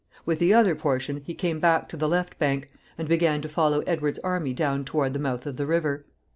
With the other portion he came back to the left bank, and began to follow Edward's army down toward the mouth of the river.